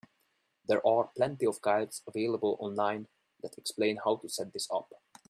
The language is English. There are plenty of guides available online that explain how to set this up.